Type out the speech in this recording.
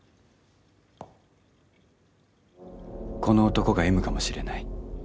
「この男がＭかもしれない」